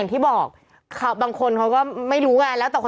พี่ขับรถไปเจอแบบ